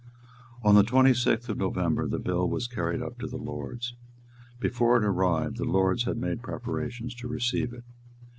On the twenty sixth of November the bill was carried up to the Lords. Before it arrived, the Lords had made preparations to receive it.